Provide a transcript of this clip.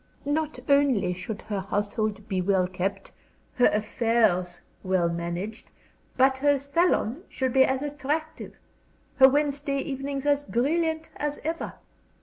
Not only should her household be well kept, her affairs well managed, but her salon should be as attractive, her Wednesday evenings as brilliant, as ever.